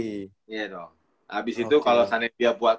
iya dong abis itu kalau seandainya dia buat